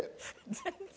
「全然！」